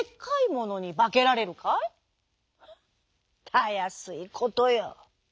「たやすいことよ」。